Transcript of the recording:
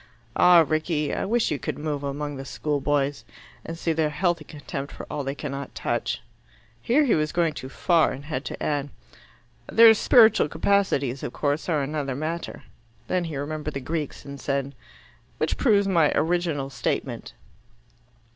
Ah, Rickie! I wish you could move among the school boys, and see their healthy contempt for all they cannot touch!" Here he was going too far, and had to add, "Their spiritual capacities, of course, are another matter." Then he remembered the Greeks, and said, "Which proves my original statement."